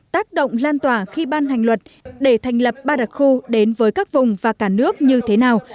tác động lan tỏa khi ban hành luật để thành lập ba đặc khu đến với các vùng và cả nước như thế nào